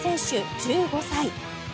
１５歳。